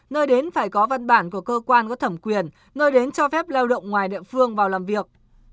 nơi đến phải có văn bản của cơ quan có thẩm quyền nơi đến cho phép lao động ngoài địa phương vào làm việc